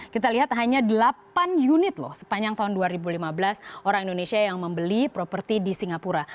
kita lihat hanya delapan unit loh sepanjang tahun dua ribu lima belas orang indonesia yang membeli properti di singapura